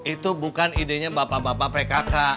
itu bukan idenya bapak bapak pkk